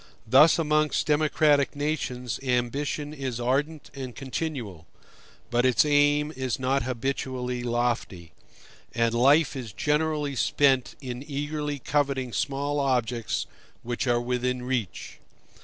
Thus amongst democratic nations ambition is ardent and continual, but its aim is not habitually lofty; and life is generally spent in eagerly coveting small objects which are within reach.